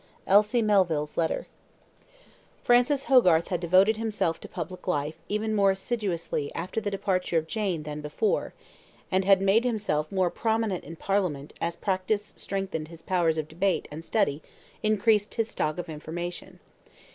Elsie Melville's Letter Francis Hogarth had devoted himself to public life even more assiduously after the departure of Jane than before, and had made himself more prominent in Parliament as practice strengthened his powers of debate and study increased his stock of information.